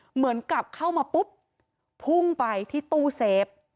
เหมือนกับเข้ามาปุ๊บพุ่งไปที่ตู้เซฟ